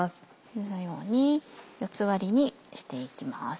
このように四つ割りにしていきます。